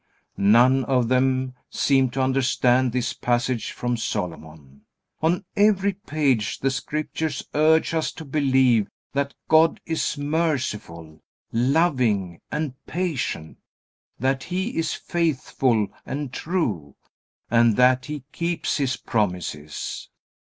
None of them seem to understand this passage from Solomon. On every page the Scriptures urge us to believe that God is merciful, loving, and patient; that He is faithful and true, and that He keeps His promises.